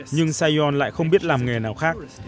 nhưng sayon lại không biết làm nghề nào khác